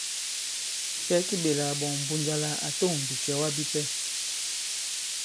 Cɛ ki ɓèlà kàɓɔ̀ŋ Mbunja la à tôŋ bìcɛ̀wa bipɛ?